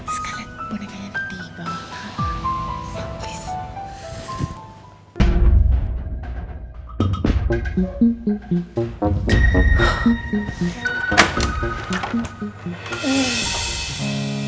sekarang pernikahannya ada di bawah